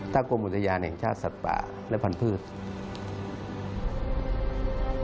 ถ้ากรมอุทยานแห่งชาติสัตว์ป่าและพันธุ์